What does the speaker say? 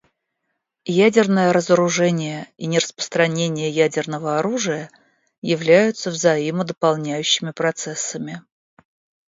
Ядерное разоружение и нераспространение ядерного оружия являются взаимодополняющими процессами.